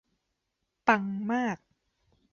ปังมาก